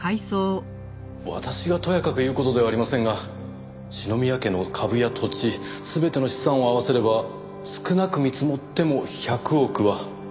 私がとやかく言う事ではありませんが篠宮家の株や土地全ての資産を合わせれば少なく見積もっても１００億は。